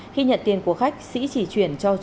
khi nhận tiền của khách sĩ chỉ chuyển cho chủ tịch